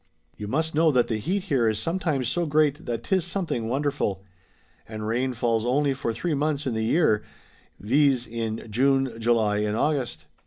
'^] You must know that the heat here is sometimes so great that 'tis something wonderful. And rain falls only for three months in the year, viz., in June, July, and August.